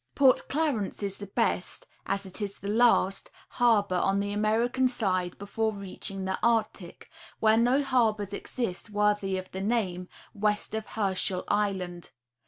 Port Clarence is the best, as it is the last, harbor on the Ameri can side before reaching the Arctic, where no harbors exist worthy of the name, west of Herschel island.